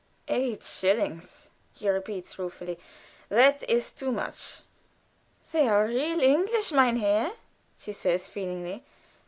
"Eight shillings!" he repeats, ruefully. "That is too much." "They are real English, mein Herr," she says, feelingly.